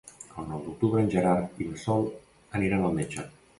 El nou d'octubre en Gerard i na Sol aniran al metge.